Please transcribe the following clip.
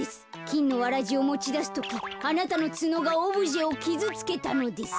きんのわらじをもちだすときあなたのツノがオブジェをキズつけたのです。